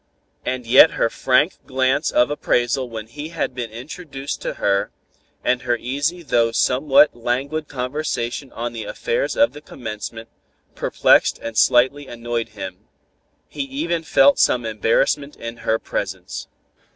And yet her frank glance of appraisal when he had been introduced to her, and her easy though somewhat languid conversation on the affairs of the commencement, perplexed and slightly annoyed him. He even felt some embarrassment in her presence.